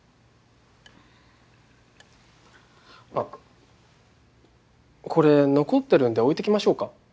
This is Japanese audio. あっこれ残ってるんで置いていきましょうか？